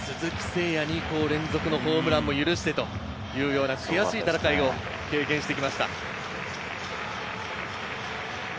鈴木誠也に連続のホームランも許してという悔しい戦いを経験してきました。